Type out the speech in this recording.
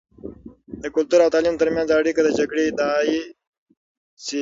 د کلتور او تعليم تر منځ اړیکه د جګړې ادعایی شې.